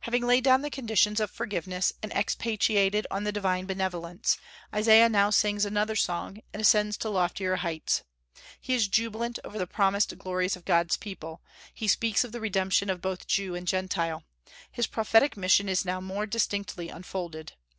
Having laid down the conditions of forgiveness, and expatiated on the divine benevolence, Isaiah now sings another song, and ascends to loftier heights. He is jubilant over the promised glories of God's people; he speaks of the redemption of both Jew and Gentile. His prophetic mission is now more distinctly unfolded.